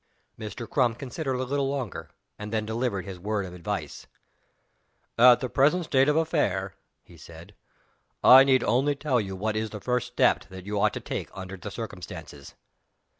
Mr. Crum considered a little longer, and then delivered his word of advice: "At the present stage of the affair," he said, "I need only tell you what is the first step that you ought to take under the circumstances.